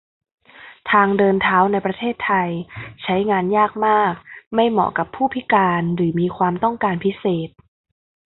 ทางเดินเท้าในประเทศไทย ใช้งานยากมาก ไม่เหมาะกับผู้พิการหรือมีความต้องการพิเศษ